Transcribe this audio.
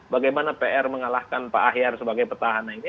bagaimana pr mengalahkan pak ahyar sebagai petahana ini